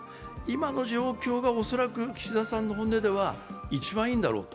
今の状況が恐らく岸田さんの本音では一番いいんだろうと。